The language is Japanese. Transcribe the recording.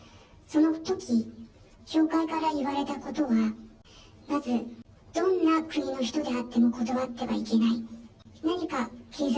そのとき教会から言われたことは、まず、どんな国の人であっても断ってはいけない。